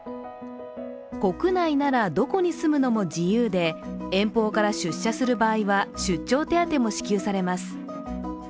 国内ならどこに住むのも自由で遠方から出社する場合は出張手当も支給されます。